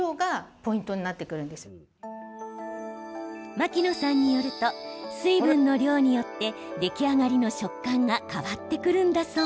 牧野さんによると水分の量によって出来上がりの食感が変わってくるんだそう。